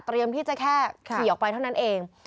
ที่จะแค่ขี่ออกไปเท่านั้นเอง